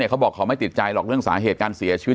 เขาบอกเขาไม่ติดใจหรอกเรื่องสาเหตุการเสียชีวิต